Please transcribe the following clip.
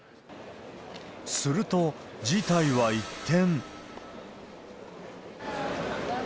すると、事態は一転。